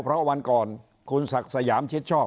เพราะวันก่อนคุณศักดิ์สยามชิดชอบ